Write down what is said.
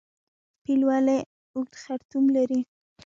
پیل ولې اوږد خرطوم لري؟